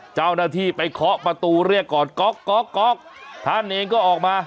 เจ้าหน้าที่ไปเคาะประตูเรียกก่อนก๊อกก๊อกก๊อกท่านเองก็ออกมา